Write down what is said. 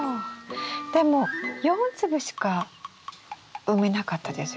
でも４粒しか埋めなかったですよね。